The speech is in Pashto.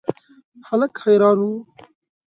هلک حیران و.